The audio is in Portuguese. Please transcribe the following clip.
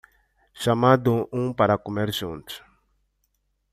Chamado um para comer juntos